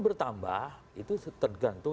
bertambah itu tergantung